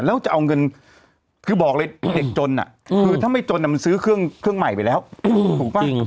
แล้วจะเอาเงินคือบอกเลยเด็กจนคือถ้าไม่จนมันซื้อเครื่องใหม่ไปแล้วถูกป่ะ